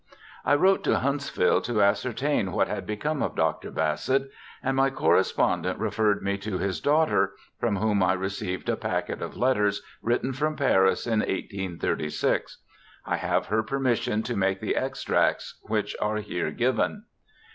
I wrote to Huntsville to ascer tain what had become of Dr. Bassett, and my corre spondent referred me to his daughter, from whom I received a packet of letters written from Paris in 1836. I have her permission to make the extracts which are here given.